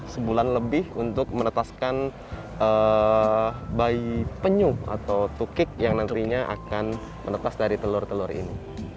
sebulan lebih untuk menetaskan bayi penyuh atau tukik yang nantinya akan menetas dari telur telur ini